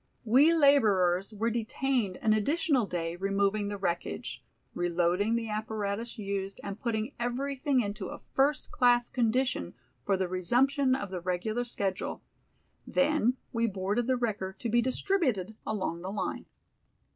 We laborers were detained an additional day removing the wreckage, reloading the apparatus used and putting everything into a first class condition for the resumption of the regular schedule. Then we boarded the wrecker to be distributed along the line.